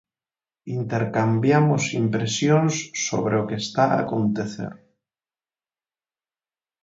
Intercambiamos impresións sobre o que está a acontecer.